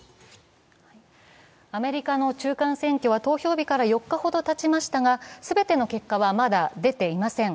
アメリカの中間選挙は投票日から４日ほどたちましたが全ての結果はまだ出ていません。